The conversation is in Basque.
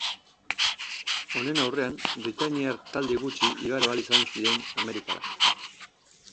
Honen aurrean, britaniar talde gutxi igaro ahal izan ziren Amerikara.